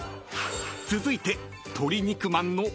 ［続いて］